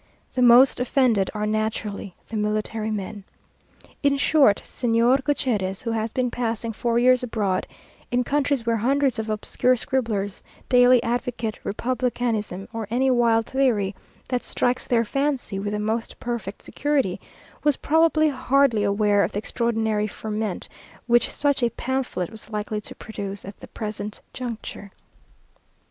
The most offended are naturally the military men.... In short, Señor Gutierrez, who has been passing four years abroad, in countries where hundreds of obscure scribblers daily advocate republicanism or any wild theory that strikes their fancy, with the most perfect security, was probably hardly aware of the extraordinary ferment which such a pamphlet was likely to produce at the present juncture.